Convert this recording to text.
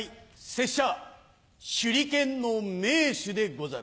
拙者手裏剣の名手でござる。